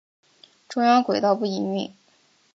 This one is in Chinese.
中央轨道不营运。